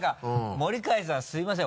森開さんすいません